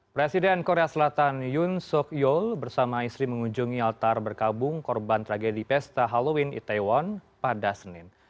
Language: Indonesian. presiden korea selatan yun sok yeol bersama istri mengunjungi altar berkabung korban tragedi pesta halloween itaewon pada senin